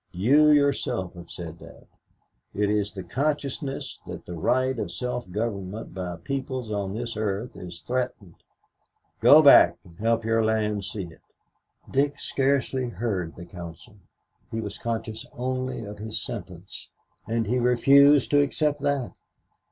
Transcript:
You yourself have said that. It is the consciousness that the right of self government by peoples on this earth is threatened. Go back and help your land see it." Dick scarcely heard the counsel. He was conscious only of his sentence and he refused to accept that.